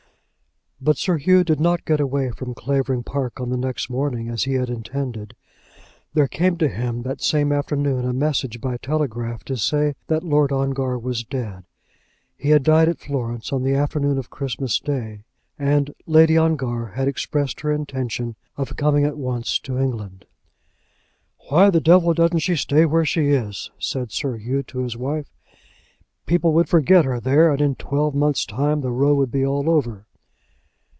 But Sir Hugh did not get away from Clavering Park on the next morning as he had intended. There came to him that same afternoon a message by telegraph, to say that Lord Ongar was dead. He had died at Florence on the afternoon of Christmas day, and Lady Ongar had expressed her intention of coming at once to England. "Why the devil doesn't she stay where she is?" said Sir Hugh, to his wife. "People would forget her there, and in twelve months time the row would be all over."